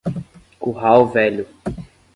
Curral Velho